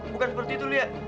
bukan seperti itu liat